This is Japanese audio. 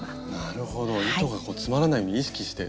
なるほど糸が詰まらないように意識して。